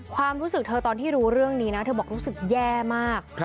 ความรู้สึกเธอตอนที่รู้เรื่องนี้นะเธอบอกรู้สึกแย่มาก